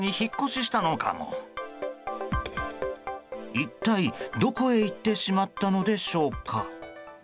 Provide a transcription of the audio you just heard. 一体どこへ行ってしまったのでしょうか。